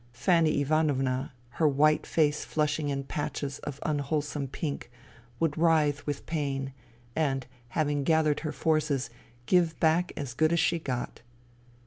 Fanny Ivanovna, her white face flushing in patches of unwholesome pink, would writhe with THE THREE SISTERS 19 pain, and, having gathered her forces, give back as good as she got.